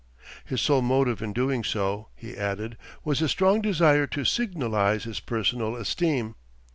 His sole motive in doing so, he added, was his strong desire to signalise his personal esteem.